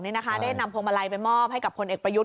ได้นำพวงมาลัยไปมอบให้กับพลเอกประยุทธ์